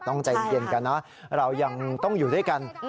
ใจเย็นกันนะเรายังต้องอยู่ด้วยกัน